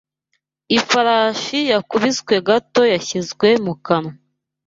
Ifarashi yakubiswe gato yashyizwe mu kanwa.